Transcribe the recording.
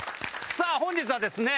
さあ本日はですね。